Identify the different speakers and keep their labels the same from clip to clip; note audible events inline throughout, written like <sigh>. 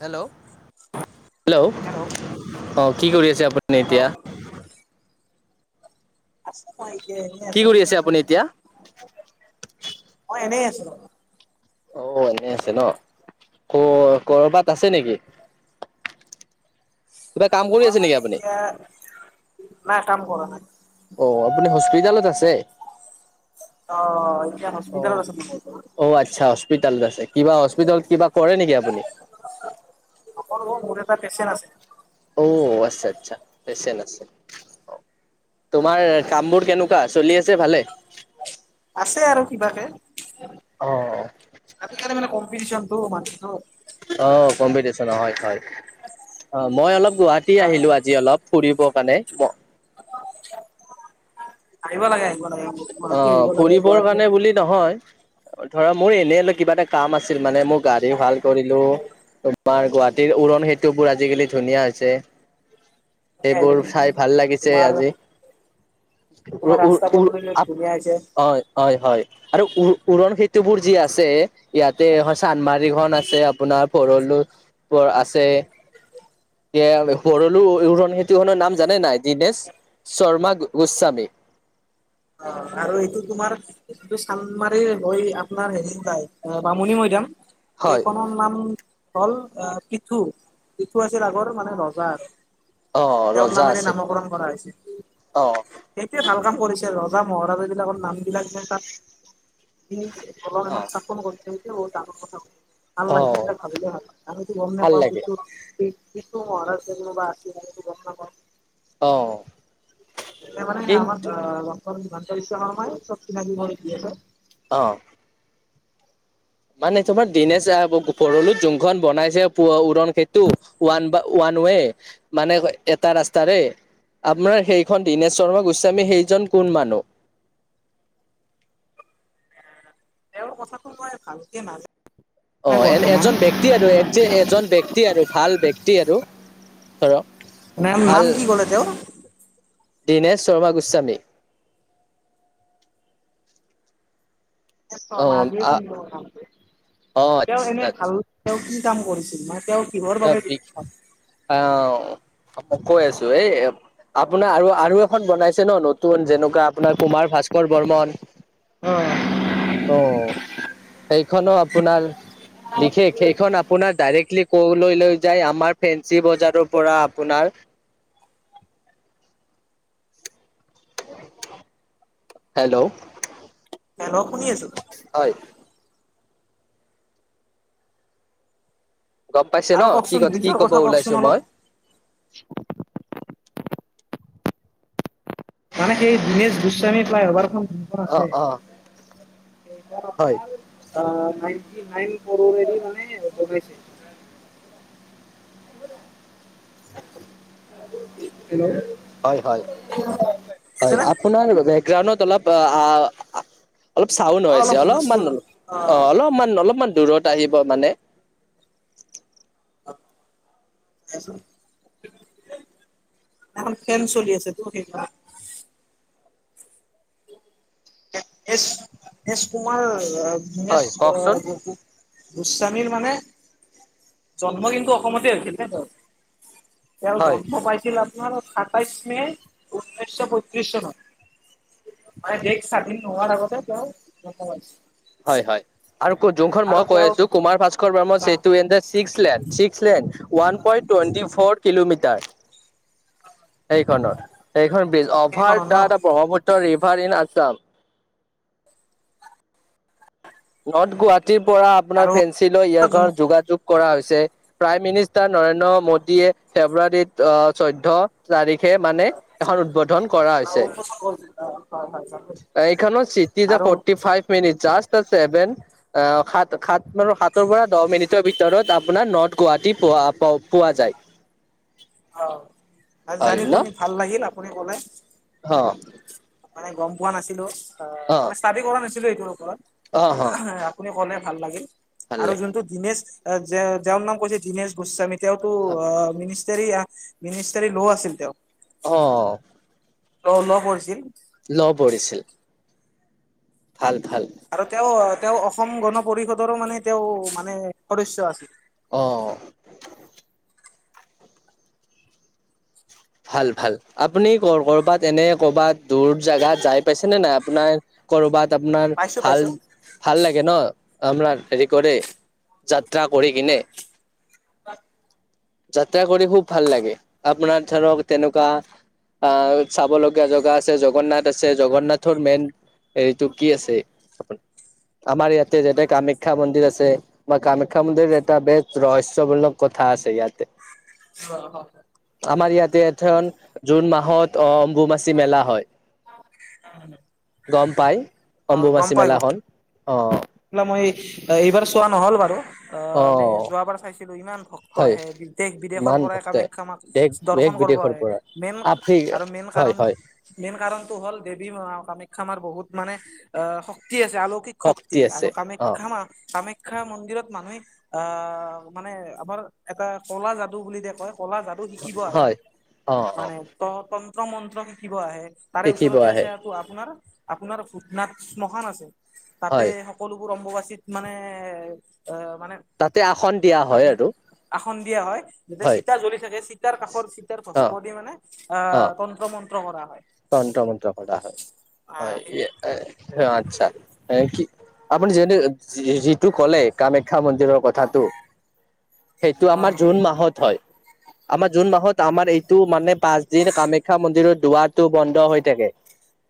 Speaker 1: Hello hello.
Speaker 2: Hello.
Speaker 1: অ, কি কৰি আছে আপুনি এতিয়া?
Speaker 2: আছো মই এতিয়া এনেই
Speaker 1: কি
Speaker 2: আছো।
Speaker 1: কৰি আছে আপুনি এতিয়া
Speaker 2: মই এনেই আছো।
Speaker 1: অ এনেই আছে ন। ক কৰবাত আছে নেকি? কিবা কাম কৰি আছে
Speaker 2: মানে
Speaker 1: নেকি আপুনি?
Speaker 2: <unintelligible> নাই কাম কৰা নাই।
Speaker 1: অ আপুনি হস্পিতালত আছে?
Speaker 2: অ, এতিয়া
Speaker 1: অ
Speaker 2: হস্পিতালত আছে ডিব্ৰুগড়ত।
Speaker 1: অ আচ্ছা হস্পিতালত আছে, কিবা হস্পিতালত কিবা কৰে নেকি আপুনি?
Speaker 2: নকৰো অ মোৰ এটা পেচেন আছে।
Speaker 1: অঁ আচ্ছা আচ্ছা, পেছেন আছে। অ, তোমাৰ কাম বোৰ কেনেকুৱা চলি আছে ভালে?
Speaker 2: আছে আৰু কিবাকে।
Speaker 1: অ, অ।
Speaker 2: আজিকালি মানে কম্পিটিচন ত মানুহটো।
Speaker 1: অ, কম্পিটিচন হয় হয়। অ মই অলপ গুৱাহাটী
Speaker 2: সেইকাৰণে
Speaker 1: আহিলো আজি অলপ। ফুৰিব কাৰণে, ম
Speaker 2: আহিব লাগে আহিব লাগে।
Speaker 1: অ,
Speaker 2: গুৱাহাটী আহিব লাগে
Speaker 1: ফুৰিবৰ
Speaker 2: গুৱাহাটী
Speaker 1: কাৰণে বুলি নহয়। ধৰা মোৰ এনেই অলপ কিবা এটা কাম আছিল মানে মোৰ গাড়ী ভাল কৰিলো। তোমাৰ গুৱাহাটীৰ উৰনসেতু বোৰ আজিকালি ধুনীয়া হৈছে।
Speaker 2: ধুনীয়া আহিছে
Speaker 1: সেইবোৰ
Speaker 2: ধুনীয়া
Speaker 1: চাই
Speaker 2: আহিছে
Speaker 1: ভাল লাগিছে
Speaker 2: তোমাৰ
Speaker 1: আজি।
Speaker 2: তোমাৰ
Speaker 1: উৰ উৰ
Speaker 2: ৰাস্তা
Speaker 1: উৰ -
Speaker 2: পদূলিবিলাক ধুনীয়া হৈছে।
Speaker 1: হয় হয় হয়, আৰু উ উৰণসেতু বোৰ যি আছে - এইয়াতে এখন চান্দমাৰিখন আছে আপোনাৰ ভৰলো পৰ আছে। এইয়াৰ ভৰলো উৰণসেতু খনৰ নাম জানে নাই দীনেশ শৰ্মা গোস্বামী।
Speaker 2: অ, ' আৰু এইটো তোমাৰ - এইটো চান্দমাৰি হৈ আপোনাৰ হেৰিপাই বামুণী মৈদাম
Speaker 1: হয়
Speaker 2: সেইখনৰ - নাম হ'ল পিঠু, পিঠু আছিল আগৰ মানে ৰজা।
Speaker 1: অ',
Speaker 2: তেওঁৰ
Speaker 1: ৰজা
Speaker 2: নামেৰে
Speaker 1: আছিল
Speaker 2: নামাকৰণ কৰা হৈছে।
Speaker 1: অ',
Speaker 2: সেইটোৱে ভাল কাম কৰিছে ৰজা মহাৰাজ বিলাকৰ নামবিলাক যে তাত- বল এখন
Speaker 1: অ',
Speaker 2: স্থাপন কৰি যে ডাঙৰ কথা। ভাল
Speaker 1: অ'।
Speaker 2: লাগিছে ভাবিলে ভাল আৰু গম
Speaker 1: ভাল
Speaker 2: নেপাওঁ
Speaker 1: লাগে
Speaker 2: বিদ্যুত সেই- কিছু হৰ চ ব ন <unintelligible>
Speaker 1: অ
Speaker 2: তেতিয়া মানে আমাক
Speaker 1: কিন্তু
Speaker 2: লগ- <unintelligible> চব চিনাকি কৰি দি আছে
Speaker 1: অঁ মানে তোমাৰ দিনেশ ভৰলো যোনখন বনাইছে উৰণ সেতু, ওৱান বা- ওৱান ৱে মানে এটা ৰাস্তাৰে- আপোনাৰ সেইখন দীনেশ শৰ্মা গোস্বামী সেইজন কোন মানুহ।
Speaker 2: তেওঁৰ কথাটো মই ভালকে নাজনো।
Speaker 1: অ' এ এজন ব্যক্তি আৰু এজন ব্যক্তি আৰু ভাল ব্যক্তি আৰু- ধৰক-
Speaker 2: নাম
Speaker 1: ভাল
Speaker 2: নাম কি ক'লে তেওঁ-
Speaker 1: দিনেশ শৰ্মা গোস্বামী। অ
Speaker 2: শৰ্মা দি সুন্দৰ নামটো
Speaker 1: অ
Speaker 2: তেওঁ এনে
Speaker 1: আচ্ছা
Speaker 2: ভাল
Speaker 1: আচ্ছা
Speaker 2: তেওঁ কি কাম কৰিছিল মানে তেওঁ- কিহৰ
Speaker 1: এ
Speaker 2: বাবে
Speaker 1: বিষ,
Speaker 2: বিখ্যাত?
Speaker 1: আহ মই কৈ আছোঁ। এই আপোনাৰ আৰু আৰু এখন বনাইছে ন, নতুন যেনেকুৱা আপোনাৰ কুমাৰ ভাস্কৰ বৰ্মন-
Speaker 2: অ'-
Speaker 1: অ' সেইখনো আপোনাৰ বিশেষ সেইখন আপোনাৰ ডাইৰেক্টলি - কলৈ লৈ যায় আমাৰ ফেঞ্চি বজাৰৰ পৰা আপোনাৰ- হেল্ল'
Speaker 2: হেল্লো শুনি আছোঁ।
Speaker 1: হয়- গম পাইছে ন
Speaker 2: আৰু
Speaker 1: কি
Speaker 2: কওকচোন
Speaker 1: কি
Speaker 2: ব্ৰিজৰ
Speaker 1: কব
Speaker 2: কথা কওকচোন
Speaker 1: ওলাইছোঁ
Speaker 2: অলপ।
Speaker 1: মই।
Speaker 2: মানে সেই দীনেশ গোস্বামী ফ্লাই অভাৰখন- সেইখন
Speaker 1: অ
Speaker 2: আছে
Speaker 1: অ
Speaker 2: এইখন
Speaker 1: হয়
Speaker 2: আপোনাৰ অ' নাইটি নাইন কৰৰে দি মানে বনাইছে হেল্লে-
Speaker 1: হয় হয় হয়
Speaker 2: অ
Speaker 1: আপোনাৰ আপোনাৰ বাবে গ্ৰাউণ্ডত অলপ- অলপ চাউণ্ড হৈছে
Speaker 2: অলপ
Speaker 1: অলপমান,
Speaker 2: হুলস্থুল অ
Speaker 1: অঁ অলপমান অলপমান দূৰত আহিব মানে-
Speaker 2: এ ফেন চলি আছে তোৰ সেইকাৰণে। এচ কুমাৰ
Speaker 1: হয়
Speaker 2: দিনেশ
Speaker 1: কওকচোন
Speaker 2: গক- গোস্বামীৰ মানে- জন্ম কিন্তু অসমতে হৈছিল নে কত, তেওঁ
Speaker 1: হয়
Speaker 2: জন্ম পাইছিল- সাতাইশ মে ঊনৈছশ পয়ত্ৰিশ চনত দেশ স্বাধীন- নোৱাৰ আগতে তেওঁ জন্ম পাইছে
Speaker 1: হয় হয় যোনখন মই কৈ আছো Kumar Bhaskar Barman Setu N date six lane six lane one point twenty four kilometre এইখনত এইখন ব্ৰিজ অভাৰ
Speaker 2: কেইখনত ন
Speaker 1: দা এটা Brahmaputra river in Assam. North গুৱাহাটীৰ পৰা আপোনাৰ
Speaker 2: আৰু
Speaker 1: ফেঞ্চি লৈ
Speaker 2: হয়
Speaker 1: ইয়াৰ যোগা যুগ কৰা হৈছে প্ৰাইম মিনিষ্টাৰ নৰেন্দ্ৰ মোডীয়ে ফেব্ৰুৱাৰীত আহ চৈধ্য় তাৰিখে মানে এখন উদ্বোধন কৰা হৈছে।
Speaker 2: <unintelligible>
Speaker 1: <unintelligible> আহ,
Speaker 2: আৰু
Speaker 1: সাত-সাত-সাতৰ পৰা দহ মিনিটৰ ভিতৰত আপোনাৰ নৰ্থ গুৱাহাটী <unintelligible> পোৱা যায়। <inaudible>
Speaker 2: অ',
Speaker 1: হয়
Speaker 2: জানি
Speaker 1: ন
Speaker 2: শুনি ভাল লাগিল, আপুনি ক'লে।
Speaker 1: অ'।
Speaker 2: মানে পোৱা নাছিলো, অ, মানে ষ্টাডি কৰা নাছিলো এইটোৰ ওপৰত।
Speaker 1: অ' অ'
Speaker 2: আপুনি ক'লে ভাল লাগিল,
Speaker 1: ভাল
Speaker 2: আৰু
Speaker 1: লাগে।
Speaker 2: যোনটো দীনেশ, যাৰ নাম কৈছে দীনেশ গোস্বামী, তেওঁতো অ মি মিনিষ্টাৰী, মিনিষ্টাৰী ল' আছিল তেওঁ।
Speaker 1: অ।
Speaker 2: <unintelligible> ল' পঢ়িছিল!
Speaker 1: ল' পঢ়িছিল। ভাল, ভাল।
Speaker 2: আৰু তেওঁ, তেওঁ অসম গণ পৰিষদৰো মানে তেওঁ মানে সদস্য আছিল।
Speaker 1: অ, অ। ভাল, ভাল। আপুনি ক'ৰ কৰ'বাত, এনে কৰ'ৰবাত দূৰ জোগাত যাই পাইছেনে নাই! আপোনাৰ ক'ৰবাত আপোনাৰ,
Speaker 2: পাইছো পাইছো
Speaker 1: ভাল-ভাল লাগে ন! আপুনাৰ হেৰি কৰে যাত্ৰা কৰি কিনে।
Speaker 2: <unintelligible>
Speaker 1: যাত্ৰা কৰি খুব ভাল লাগে। আপোনাৰ ধৰক, তেনেকুৱা আহ চাব লগগীয়া জেগা আছে, জগন্নাথ আছে, জগন্নাথৰ মেইন এইটো কি আছে, আমাৰ ইয়াতে যেনে কামাখ্যা মন্দিৰ আছে। মই কামাখ্যা মন্দিৰ এটা বেচ ৰহস্যমূলক কথা আছে ইয়াতে।
Speaker 2: <unintelligible>
Speaker 1: আমাৰ ইয়াতে <unintelligible> জুন মাহত অ, অম্বুমাচি মেলা হয়।
Speaker 2: <unintelligible>
Speaker 1: গম পাই!
Speaker 2: অ, গম
Speaker 1: অম্বুবাচী
Speaker 2: পাই, গম
Speaker 1: মেলাখন অ
Speaker 2: <unintelligible> মই এইবাৰ চোৱা নহ'ল বাৰু! অ', এনে যোৱাবাৰ চাইছিলো, ইমান ভক্ত
Speaker 1: হয়
Speaker 2: আহে, বি দেশ-বিদেশৰ
Speaker 1: ইমান
Speaker 2: পৰাই
Speaker 1: ভক্তে
Speaker 2: কামাখ্যা মাক
Speaker 1: দেশ দেশ
Speaker 2: দৰ্শন কৰিব
Speaker 1: বিদেশৰ
Speaker 2: আহে।
Speaker 1: পৰা
Speaker 2: মেইন
Speaker 1: আফ্ৰি
Speaker 2: আৰু মেইন
Speaker 1: হয়
Speaker 2: কাৰণ
Speaker 1: হয়
Speaker 2: মেইন কাৰণটো হ'ল দেৱী কামাখ্যা মাৰ বহুত মানে অ, শক্তি আছে, আলৌকিক শক্তি
Speaker 1: আছে
Speaker 2: আৰু
Speaker 1: অ
Speaker 2: কামাখ্যা মা, কামাখ্যা মন্দিৰত মানুহে আহ, মানে আমাৰ এটা কলা যাদু বুলি যে কয় কলা যাদু শিকিব আহে,
Speaker 1: হয় অ অ
Speaker 2: মানে ত তন্ত্ৰ-মন্ত্ৰ শিকিব আহে। তাৰে
Speaker 1: শিকিব
Speaker 2: ওচৰতে
Speaker 1: আহে
Speaker 2: আছে আৰু আপোনাৰ- আপোনাৰ শ্মশান আছে। তাতে
Speaker 1: হয়
Speaker 2: সকলোবোৰ অম্ববাচীত মানে, অ, মানে
Speaker 1: তাতে আসন দিয়া
Speaker 2: আপ
Speaker 1: হয় আৰু।
Speaker 2: আসন দিয়া হয়, যাতে
Speaker 1: হয়
Speaker 2: চিতা জ্বলি থাকে, চিতাৰ কাষৰ চিতাৰ
Speaker 1: অ
Speaker 2: ভস্ম দি মানে আহ, তন্ত্ৰ-মন্ত্ৰ কৰা হয়।
Speaker 1: তন্ত্ৰ-মন্ত্ৰ কৰা হয়,
Speaker 2: আহ সেই
Speaker 1: হয়। আচ্ছা! কি আপুনি <unintelligible> যিটো ক'লে কামাখ্যা মন্দিৰৰ
Speaker 2: অ
Speaker 1: কথাটো, সেইটো আমাৰ
Speaker 2: অ
Speaker 1: জুন মাহত হয়। আমাৰ জুন মাহত আমাৰ এইটো মানে পাঁচ দিন কামাখ্যা মন্দিৰৰ দুৱাৰটো বন্ধ হৈ থাকে।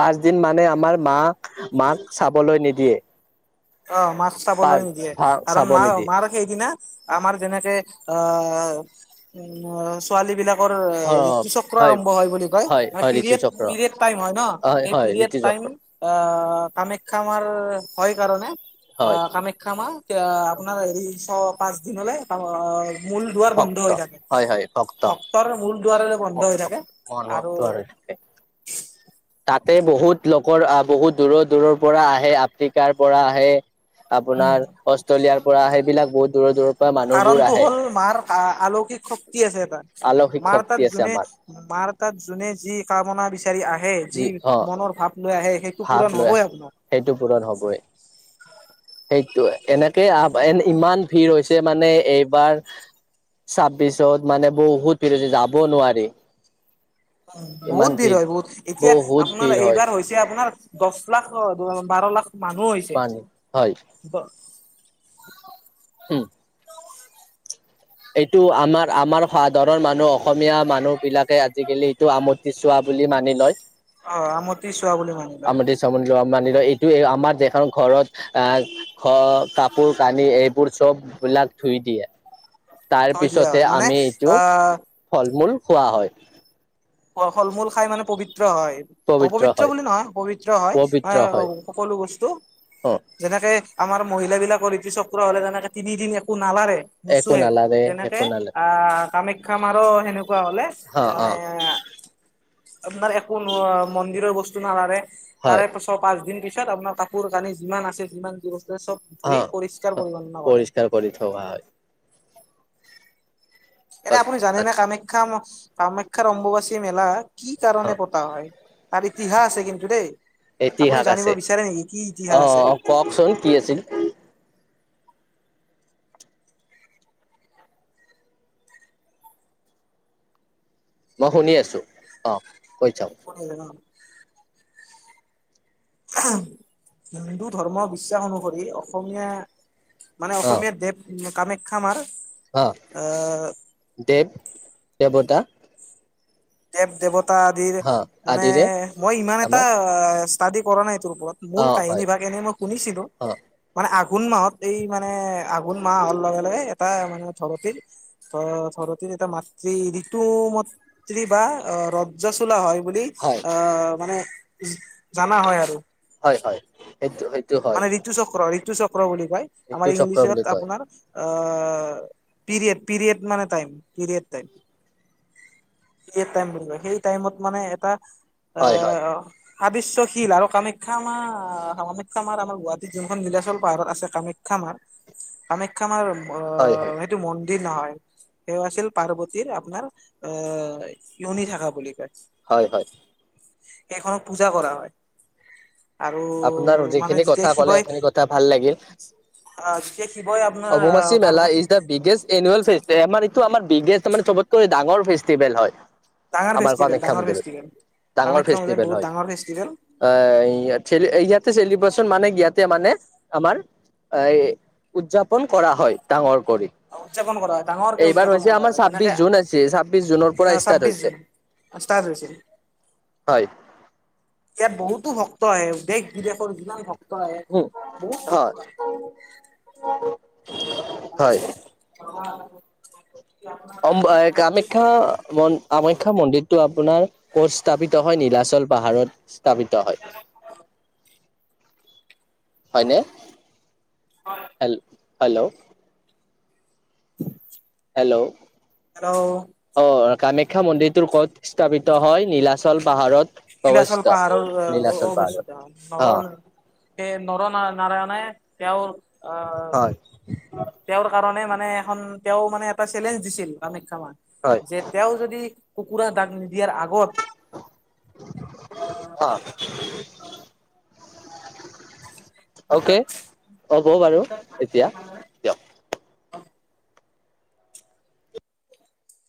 Speaker 1: পাঁচ দিন মানে আমাৰ মাক, মাক চাবলৈ নিদিয়ে।
Speaker 2: অ', মাক চাবলৈ
Speaker 1: পাঁচ
Speaker 2: নিদিয়ে কাৰণ
Speaker 1: চাব
Speaker 2: মা
Speaker 1: নিদিয়ে
Speaker 2: মাৰ সেইদিনা আমাৰ যেনেকে উ, উম ছোৱালী বিলাকৰ
Speaker 1: অ
Speaker 2: ঋতু চক্ৰ আৰম্ভ হয় বুলি কয়,
Speaker 1: হয়
Speaker 2: মানে
Speaker 1: হয় ঋতু
Speaker 2: পিৰিয়ড।
Speaker 1: চক্ৰ
Speaker 2: পিৰিয়ড টাইম হয় ন', এই
Speaker 1: হয়
Speaker 2: পিৰিয়ড
Speaker 1: ঋতু
Speaker 2: টাইম
Speaker 1: চক্ৰ
Speaker 2: অ', কামাখ্যা মাৰ হয় কাৰণে
Speaker 1: হয়
Speaker 2: আহ, কামাখ্যা মা আপোনাৰ চ পাঁচ দিনলৈ মূল দুৱাৰ বন্ধ
Speaker 1: ভক্ত
Speaker 2: হৈ থাকে,
Speaker 1: হয় হয় ভক্ত
Speaker 2: ভক্তৰ মূল দুৱাৰ বন্ধ হৈ থাকে। আৰু
Speaker 1: <unintelligible> তাতে বহুত লোকৰ বহুত দূৰৰ দূৰৰ পৰা আহে, আফ্ৰিকাৰ পৰা আহে। আপোনাৰ অষ্ট্ৰেলিয়াৰ পৰা, সেইবিলাক বহুত দূৰৰ দূৰৰ পৰা মানুহবোৰ
Speaker 2: কাৰণটো
Speaker 1: আহে।
Speaker 2: হ'ল মাৰ আলৌকিক শক্তি আছে এটা,
Speaker 1: আলসিক
Speaker 2: মাৰ তাত
Speaker 1: শক্তি আছে
Speaker 2: যোনে
Speaker 1: আমাৰ
Speaker 2: মাৰ তাত যোনে যি কামনা বিচাৰি আহে, যি মনৰ ভাৱ লৈ আহে, সেইটো
Speaker 1: ভাৱ
Speaker 2: পূৰণ
Speaker 1: লয়
Speaker 2: হ'বই আপোনাৰ।
Speaker 1: সেইটো, পূৰণ হ'বই। সেইটো এনেকে এ, ইমান ভিৰ হৈছে মানে এইবাৰ। ছাব্বিছত মানে, বহুত ভীৰ হৈছে যাব নোৱাৰি।
Speaker 2: উ, বহুত ভিৰ হয়, বহুত এতিয়া
Speaker 1: বহুত
Speaker 2: আপোনাৰ
Speaker 1: ভিৰ হয়
Speaker 2: এইবাৰ হৈছে। এতিয়া আপোনাৰ দহ লাখ, বাৰ লাখ মানুহ হৈছে।
Speaker 1: পানী, হয়।
Speaker 2: <unintelligible>
Speaker 1: হম। এইটো আমাৰ আমাৰ সাধাৰৰ মানুহ, অসমীয়া মানুহ বিলাকে আজিকালি এইটো আমোদ কি চোৱা বুলি মানি লয়।
Speaker 2: অ', আমতি চোৱা বুলি মানি লয়।
Speaker 1: <unintelligible> এইটো আমাৰ, যিখন ঘৰত আহ, ঘ কাপোৰ, কানি, এইবোৰ চব বিলাক ধুই দিয়ে। তাৰ
Speaker 2: থৈ দিয়া
Speaker 1: পিছতহে,
Speaker 2: হয় মানে
Speaker 1: আমি এইটো
Speaker 2: আহ
Speaker 1: ফল-মূল খোৱা হয়।
Speaker 2: অ', ফল-মূল খাই মানে পবিত্ৰ হয়।
Speaker 1: পবিত্ৰ
Speaker 2: অপবিত্ৰ
Speaker 1: হয়
Speaker 2: বুলি নহয়, পবিত্ৰ হয়
Speaker 1: পবিত্ৰ হয়।
Speaker 2: অ', সকলো বস্তু। যেনেকে আমাৰ মহিলা বিলাকৰ ঋতুচক্ৰ হ'লে, তেনেকে তিনিদিন একো নালাৰে।
Speaker 1: একো
Speaker 2: নুচোৱে,
Speaker 1: নালাগে একো
Speaker 2: তেনেকে
Speaker 1: নালাগে
Speaker 2: আহ, কামাখ্যা মাৰো সেনেকুৱা হ'লে মানে আপোনাৰ একো ন মন্দিৰৰ বস্তু নালাৰে
Speaker 1: হয়।
Speaker 2: তাৰে ছয়, পাঁচদিন পিছত আপোনাৰ কাপোৰ কানি যিমান আছে যিমান যি বস্তু আছে চ'ব ধুই পৰিষ্কাৰ
Speaker 1: অ',
Speaker 2: পৰিচ্ছন্ন কৰে
Speaker 1: পৰিষ্কাৰ কৰি থোৱা হয়।
Speaker 2: এনে আপুনি জানে নে,
Speaker 1: আচ্ছা
Speaker 2: কামাখ্যা কামাখ্যাৰ অম্বুবাচী মেলা কি
Speaker 1: অ
Speaker 2: কাৰণে পতা হয়? তাৰ ইতিহাস আছে কিন্তু দেই। আপুনি
Speaker 1: ইতিহাস
Speaker 2: জানিব
Speaker 1: আছে
Speaker 2: বিচাৰে নেকি, কি ইতিহাস
Speaker 1: অ
Speaker 2: আছে?
Speaker 1: অ কওকচোন কি আছিল? মই শুনি আছোঁ, অ', কৈ যাওক।
Speaker 2: <unintelligible> হিন্দু ধৰ্মৰ বিশ্বাস অনুসৰি, অসমীয়া মানে
Speaker 1: অ
Speaker 2: অসমীয়া দেৱ কামাখ্যামাৰ
Speaker 1: অ
Speaker 2: এ'
Speaker 1: দেৱ, দেৱতা
Speaker 2: দেৱ দেৱতা আদিৰ
Speaker 1: অ
Speaker 2: মানে
Speaker 1: আদিৰে
Speaker 2: মই ইমান এটা
Speaker 1: আমাৰ
Speaker 2: ষ্টাডি কৰা নাই এইটোৰ ওপৰত।
Speaker 1: অ
Speaker 2: মূল
Speaker 1: হয়
Speaker 2: কাহিনী ভাগ এনেই মই শুনিছিলো।
Speaker 1: অ
Speaker 2: মানে আঘোণ মাহত এই মানে আঘোণ মাহ হোৱাৰ লগে লগে এটা মানে ধৰতিৰ- ত ধৰতিৰ এটা মাতৃ ঋতু মত- স্ত্ৰী বা ৰজ্জা চোলা হয় বুলি
Speaker 1: হয়
Speaker 2: আহ মানে জানা হয় আৰু।
Speaker 1: হয় হয়, সেইটো সেইট-
Speaker 2: মানে ঋতু চক্ৰ ঋতু চক্ৰ বুলি কয়।
Speaker 1: সেইটো
Speaker 2: আমাৰ
Speaker 1: চক্ৰ বুলি
Speaker 2: ইংলিছত
Speaker 1: কয়
Speaker 2: আপোনাৰ- অ পিৰিয়েড পিৰিয়েড মানে time period time. Period time বুলি কয় সেই টাইমত মানে এটা-
Speaker 1: হয় হয়
Speaker 2: অ' সাবিশ্যশীল আৰু কামাখ্যা মা- কামাখ্যা মাৰ আমাৰ গুৱাহাটীত যোনখন নীলাচল পাহাৰত আছে কামাখ্যা মা- কামাখ্যা মাৰ
Speaker 1: হয় হয়
Speaker 2: অ' সেইটো মন্দিৰ নহয়। তেওঁ আছিল পাৰ্বতীৰ আপোনাৰ আহ ইয়নি থাকা বুলি কয়।
Speaker 1: হয় হয়।
Speaker 2: সেইখনক পূজা কৰা হয়।
Speaker 1: আপোনাৰ
Speaker 2: আৰু- মানে
Speaker 1: যিখিনি কথা
Speaker 2: যেতিয়া
Speaker 1: ক'লে
Speaker 2: শিৱই
Speaker 1: সেইখিনি কথা ভাল লাগিল
Speaker 2: আহ যেতিয়া শিৱই আপোনাৰ আহ পাৰ্বতীক-
Speaker 1: বিগেচ এনুৱেল ফেষ্টে আমাৰ এইটো আমাৰ বিগেচ মানে চবতকৈ ডঙৰ ফেষ্টিভেল হয়।
Speaker 2: ডাঙৰ
Speaker 1: আমাৰ
Speaker 2: ফেষ্টিভেল
Speaker 1: কামাখ্যা
Speaker 2: ডাঙৰ
Speaker 1: মন্দিৰত
Speaker 2: ফেষ্টিভেল
Speaker 1: ডাঙৰ
Speaker 2: কামাখ্যা মাজত
Speaker 1: ফেষ্টিভেল
Speaker 2: বহুত
Speaker 1: হয়।
Speaker 2: ডাঙৰ ফেষ্টিভেল।
Speaker 1: আহ ইয়াতে চেলিব্ৰেশচন মানে ইয়াতে মানে আমাৰ- আয় উদযাপন কৰা হয় ডাঙৰ কৰি।
Speaker 2: উদযাপন কৰা হয় ডাঙৰকে
Speaker 1: এইবাৰ
Speaker 2: উদযাপন
Speaker 1: হৈছে
Speaker 2: কৰা
Speaker 1: আমাৰ
Speaker 2: হয়
Speaker 1: ছাব্বিশ
Speaker 2: যেনেকে
Speaker 1: জুন আছে ছাব্বিশ জুনৰ পৰা ষ্টাৰ্ট
Speaker 2: ছাব্বিশ জুন
Speaker 1: হৈছে।
Speaker 2: ষ্টাৰ্ট হৈছে।
Speaker 1: হয়।
Speaker 2: ইয়াত বহুতো ভক্ত আহে দেশ বিদেশৰ যিমান ভক-
Speaker 1: উম হয়। হয়।
Speaker 2: <unintelligible>
Speaker 1: অম কামাখ্যা মন- কামাখ্যা মন্দিৰটো আপোনাৰ ক'ত স্থাপিত হয়? নীলাচল পাহাৰত স্থাপিত হয়। হয়নে?
Speaker 2: হয়।
Speaker 1: Hello hello.
Speaker 2: <unintelligible>
Speaker 1: হেল্লৌ'।
Speaker 2: হেল্লৌ'।
Speaker 1: অ' কামাখ্যা মন্দিৰটো কত স্থাপিত হয়? নীলাচল পাহাৰত। অৱস্থিত
Speaker 2: নীলাচল পাহাৰৰ
Speaker 1: নীলাচল পাহাৰত
Speaker 2: <unintelligible>
Speaker 1: অ
Speaker 2: তে নৰ নাৰা নাৰায়ণে তেওঁৰ
Speaker 1: হয়
Speaker 2: অ- তেওঁৰ কাৰণে মানে এখন তেওঁ মানে এটা চেলেঞ্জ দিছিল। কামাখ্যা
Speaker 1: হয়
Speaker 2: মায় যে তেওঁ যদি কুকুৰা দাগ নিদিয়াৰ আগত-
Speaker 1: অঁ' অওকে হ'ব বাৰু এতিয়া। দিয়ক